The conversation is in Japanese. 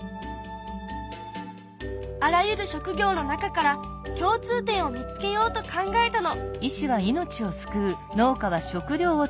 あらゆる職業の中から共通点を見つけようと考えたの。